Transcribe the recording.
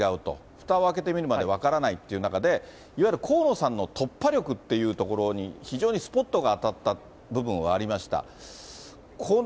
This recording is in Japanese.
ふたを開けてみるまで分からないっていう中で、いわゆる河野さんの突破力っていうところに、非常にスポットが当たった部分はありました。